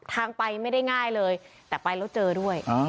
ทางไปไม่ได้ง่ายเลยแต่ไปแล้วเจอด้วย